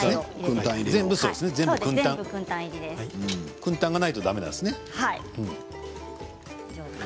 くん炭がないとだめなんですね。